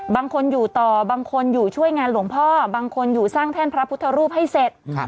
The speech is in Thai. บางคนอยู่ต่อบางคนอยู่ช่วยงานหลวงพ่อบางคนอยู่สร้างแท่นพระพุทธรูปให้เสร็จ